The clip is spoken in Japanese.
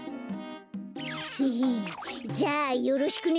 ヘヘじゃあよろしくね。